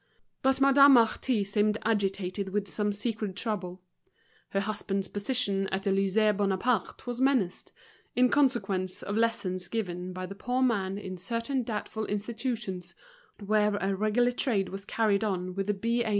But Madame Marty seemed agitated with some secret trouble. Her husband's position at the Lycée Bonaparte was menaced, in consequence of lessons given by the poor man in certain doubtful institutions where a regular trade was carried on with the B.A.